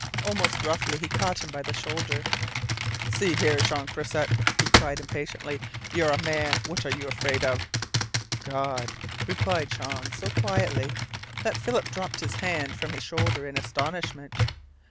Almost roughly he caught him by the shoulder. "See here, Jean Croisset," he cried impatiently, "you're a man. What are you afraid of?" "God," replied Jean so quietly that Philip dropped his hand from his shoulder in astonishment.